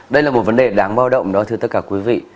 đây là một vấn đề đáng bao động đó thưa tất cả quý vị